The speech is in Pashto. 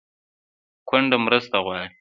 کونډه مرسته غواړي